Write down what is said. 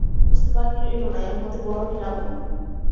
বুঝতে বাকি রইল না, এরই মধ্যে বড়োটি লাবণ্য।